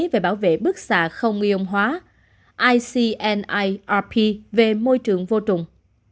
về bảo vệ bức xạ không ion hóa icnirp về môi trường vô trùng